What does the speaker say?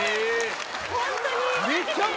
ホントに？